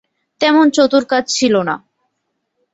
তেমন চতুর কাজ ছিল না।